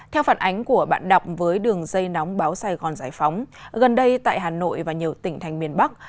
theo phản ánh của bạn đọc với đường dây nóng báo sài gòn giải phóng gần đây tại hà nội và nhiều tỉnh thành miền bắc